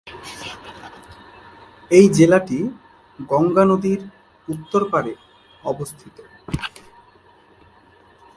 এই জেলাটি গঙ্গা নদীর উত্তর পাড়ে অবস্থিত।